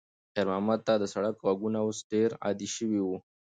خیر محمد ته د سړک غږونه اوس ډېر عادي شوي وو.